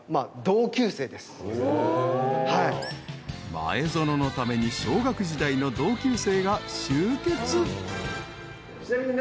［前園のために小学時代の同級生が集結］